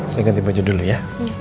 saya ganti baju dulu ya